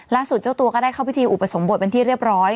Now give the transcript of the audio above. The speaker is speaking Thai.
เจ้าตัวก็ได้เข้าพิธีอุปสมบทเป็นที่เรียบร้อย